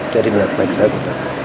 jadi minat baik satu